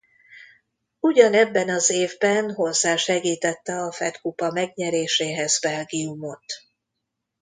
Ugyanebben az évben hozzásegítette a Fed-kupa megnyeréséhez Belgiumot.